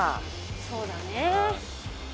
そうだね。